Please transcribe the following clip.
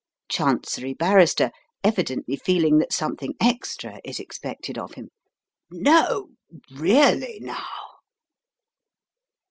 Chancery Barrister (evidently feeling that something extra is expected of him): "No, really now!"